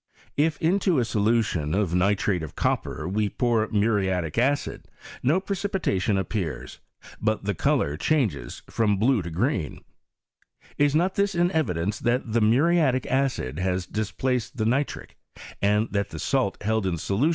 If into a solution of nitrate of copper we pour muriatic acid, no precipitation ap pears, but the colour changes from blue to green. Is not this an evidence that the muriatic acid has displaced the niti'ic, and that the salt held in solu PROGRESS OF CHEMISTRY IK FRANCS.